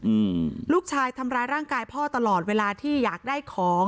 อืมลูกชายทำร้ายร่างกายพ่อตลอดเวลาที่อยากได้ของ